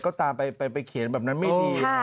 ก็ตามไปเขียนแบบนั้นไม่ดี